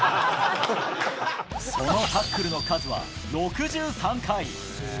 そのタックルの数は６３回。